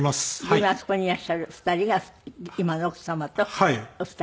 今あそこにいらっしゃる２人が今の奥様と２人？